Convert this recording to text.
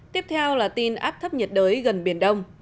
tiếp theo là tin áp thấp nhiệt đới gần biển đông